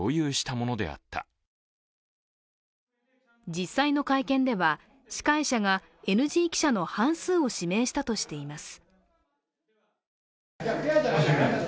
実際の会見では、司会者がＮＧ記者の半数を指名したとしています。